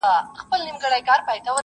د غلا تعویذ ,